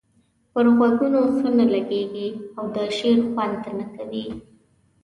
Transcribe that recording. پر غوږونو ښه نه لګيږي او د شعر خوند نه کوي.